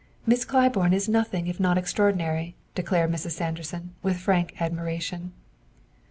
"Miss Claiborne is nothing if not extraordinary," declared Mrs. Sanderson with frank admiration.